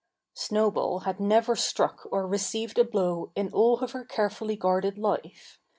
Snowball had never struck or received a blow in all of her carefully guarded life.